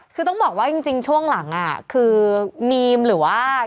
คือต้องบอกว่าจริงช่วงหลังคือมีมหรือว่า